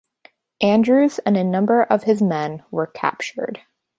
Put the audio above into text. Andrews and a number of his men were captured.